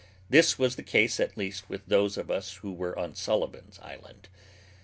This was the case at least with those of us who were on Sullivan's Island.